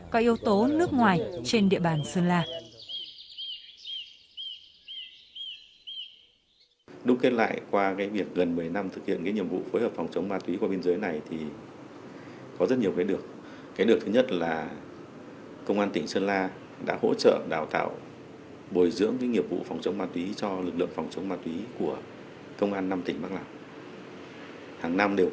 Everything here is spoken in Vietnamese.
có yếu tố nước ngoài trên địa bàn sơn la